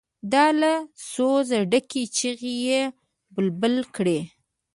دا له سوزه ډکې چیغې چې بلبل کړي.